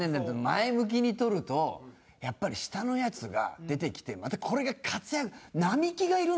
前向きに取るとやっぱり下のヤツが出てきてまたこれが活躍並木がいるのよ。